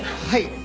はい。